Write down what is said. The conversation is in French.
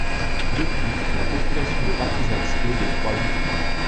Depuis, la population de Partizánske décroît doucement.